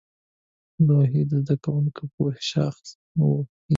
لوحې د زده کوونکو د پوهې شاخص وې.